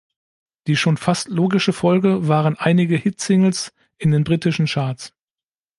Die schon fast logische Folge waren einige Hit-Singles in den britischen Charts.